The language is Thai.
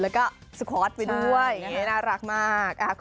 และก็สก๊อตไปด้วยน่ารักมาก